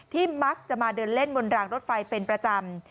มักจะมาเดินเล่นบนรางรถไฟเป็นประจำ